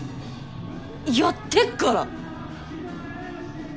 やってっから！！